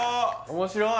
面白い！